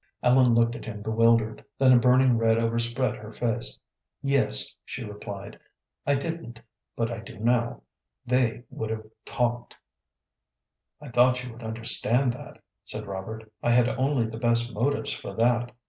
Ellen looked at him bewildered, then a burning red overspread her face. "Yes," she replied. "I didn't. But I do now. They would have talked." "I thought you would understand that," said Robert. "I had only the best motives for that.